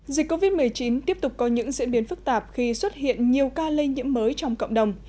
dịch covid một mươi chín tiếp tục có những diễn biến phức tạp khi xuất hiện nhiều ca lây nhiễm mới trong cộng đồng